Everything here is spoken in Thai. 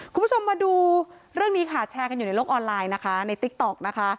คุณผู้ชมมาดูเรื่องนี้ค่ะแชร์กันอยู่ในโลกออนไลน์นะคะในติ๊กต๊อกนะคะ